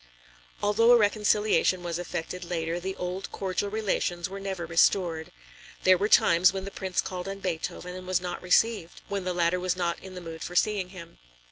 Although a reconciliation was effected later, the old cordial relations were never restored. There were times when the Prince called on Beethoven and was not received, when the latter was not in the mood for seeing him.